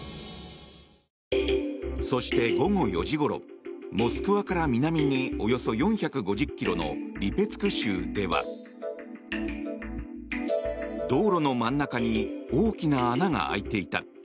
そして、午後４時ごろモスクワから南におよそ４５０ｋｍのリペツク州では道路の真ん中に大きな穴が開いていた。